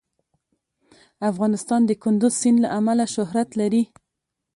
افغانستان د کندز سیند له امله شهرت لري.